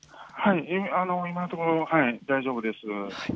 今のところ大丈夫です。